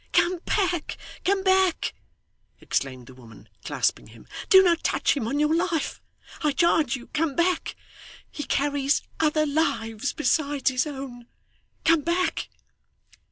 'Come back, come back!' exclaimed the woman, clasping him; 'Do not touch him on your life. I charge you, come back. He carries other lives besides his own. Come back!